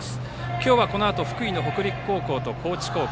今日はこのあと福井の北陸高校と高知高校。